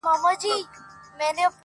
• په دغه خپل وطن كي خپل ورورك.